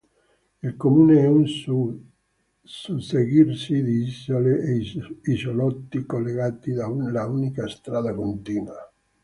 Il comune è un susseguirsi di isole e isolotti collegati da un'unica strada continua.